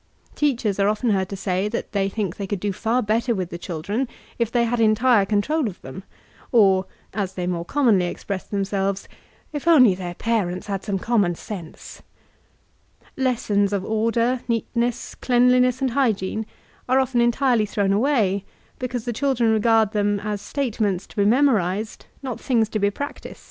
Teachers are often heard to say that they think they couM do far better with the children, if they had entire control of them, or, as they more commonly express themselves, "if only their parents had some common sense r* Lessons of order, neatness, cleanliness, and hygiene, are often en tirely thrown away, because the children regard them as statements to be memorized, not things to be practised.